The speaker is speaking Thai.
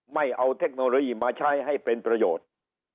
ไม่เอาเทคโนโลยีมาใช้ให้เป็นประโยชน์